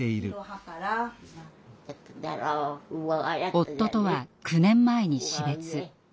夫とは９年前に死別。